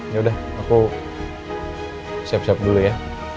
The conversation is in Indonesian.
yaudah aku siap siap dulu ya